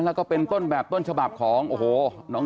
แล้วก็เป็นต้นแบบต้นฉบับของ